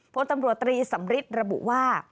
ภพตำรวจตรีสัมฤทธิ์ระบุว่า